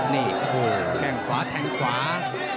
นี่โฮแข็งขวาแทงขวา